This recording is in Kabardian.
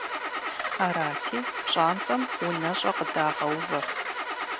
Арати, пщӀантӀэм унэщӀэ къыдагъэувэ.